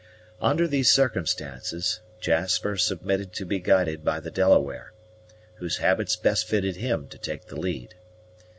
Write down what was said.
Under these circumstances, Jasper submitted to be guided by the Delaware, whose habits best fitted him to take the lead.